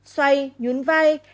xoay nhún vai